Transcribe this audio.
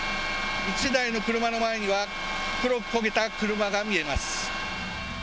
１台の車の前には、黒く焦げた車が見えます。